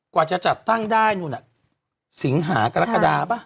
กว่าจะจัดตั้งได้นู่นน่ะสิงหากรกฎาป่ะ